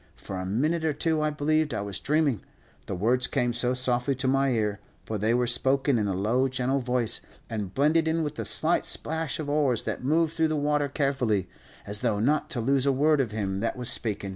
For a minute or two I believed I was dreaming, the words came so softly to my ear, for they were spoken in a low, gentle voice, and blended in with the slight splash of oars that moved through the water carefully, as though not to lose a word of him that was speakin'.